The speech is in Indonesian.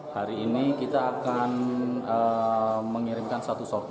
hari ini kita akan mengirimkan satu sopir